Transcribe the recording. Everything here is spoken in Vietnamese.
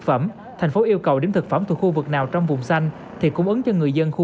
phẩm thành phố yêu cầu điểm thực phẩm từ khu vực nào trong vùng xanh thì cung ứng cho người dân khu